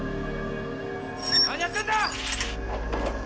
何やってんだ！